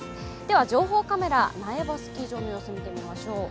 情報カメラ、苗場スキー場の様子を見ていきましょう。